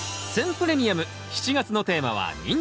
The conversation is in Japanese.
プレミアム７月のテーマは「ニンジン」。